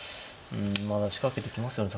うんまあ仕掛けてきますよね